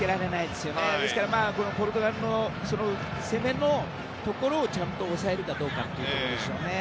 ですからポルトガルの攻めのところをちゃんと抑えるかどうかでしょうね。